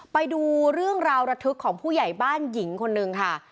ไปดูเรื่องราวระทึกของผู้ใหญ่บ้านหญิงคนนึงค่ะ